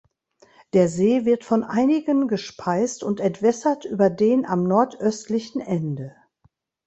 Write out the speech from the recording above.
Der See wird von einigen gespeist und entwässert über den am nordöstlichen Ende.